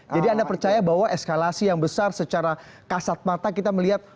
jadi anda percaya bahwa eskalasi yang besar secara kasat mata kita melihat